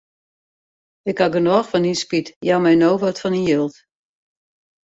Ik haw genôch fan dyn spyt, jou my no wat fan dyn jild.